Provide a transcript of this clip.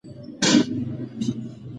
په دې ځنګل کې ډېرې پخوانۍ ونې شته.